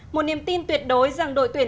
một niềm tin tuyệt đối rằng đội tuyển